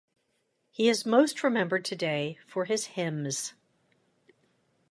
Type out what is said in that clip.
He is most remembered today for his hymns.